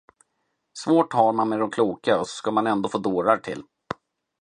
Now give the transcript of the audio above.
Svårt har man med de kloka, och så skall man ännu få dårar till.